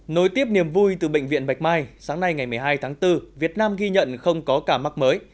nối tiếp niềm vui từ bệnh viện bạch mai sáng nay ngày một mươi hai tháng bốn việt nam ghi nhận không có ca mắc mới